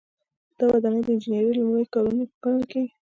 دا ودانۍ د انجنیری لومړني کارونه ګڼل کیږي.